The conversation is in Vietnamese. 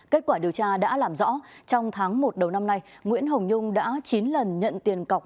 kết quả điều tra đã làm rõ trong tháng một đầu năm nay nguyễn hồng nhung đã chín lần nhận tiền cọc